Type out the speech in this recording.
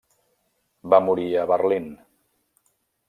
Va morir a Berlín.